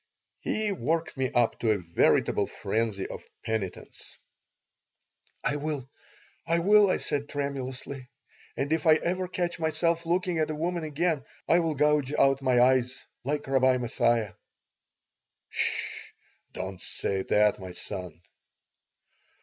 He worked me up to a veritable frenzy of penitence "I will, I will," I said, tremulously. "And if I ever catch myself looking at a woman again I will gouge out my eyes like Rabbi Mathia." "'S sh! Don't say that, my son."